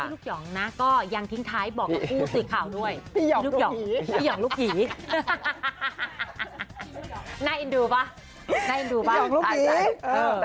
แต่อยากฟังสัมภาษณ์แล้วแหละ